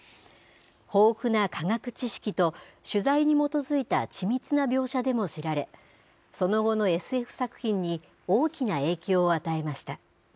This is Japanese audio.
豊富な科学知識と、取材に基づいた緻密な描写でも知られ、その後のＳＦ作品に大きな影響を与えました。